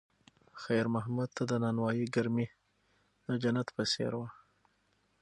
خیر محمد ته د نانوایۍ ګرمي د جنت په څېر وه.